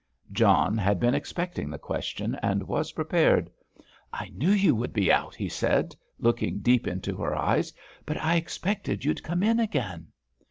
John had been expecting the question, and was prepared. "I knew you would be out," he said, looking deep into her eyes; "but I expected you'd come in again!"